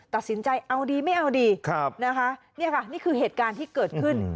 ตัดสินใจเอาดีไม่เอาดีนะคะนี่ค่ะนี่คือเหตุการณ์ที่เกิดขึ้น